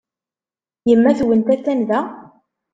Yemma-twent attan da?